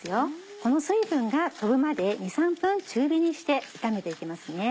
この水分が飛ぶまで２３分中火にして炒めて行きますね。